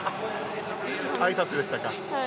あいさつでしたか。